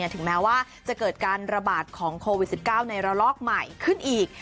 ถึงแม้ว่าจะเกิดการระบาดของโควิด๑๙ในระลอกใหม่ขึ้นอีก